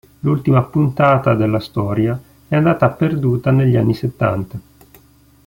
L'ultima puntata della storia è andata perduta negli anni settanta.